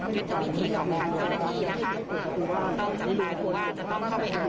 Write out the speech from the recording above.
ยุทธวิธีของทางเจ้าหน้าที่นะคะต้องจับตาดูว่าจะต้องเข้าไปหา